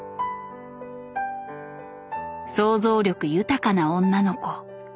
想像力豊かな女の子。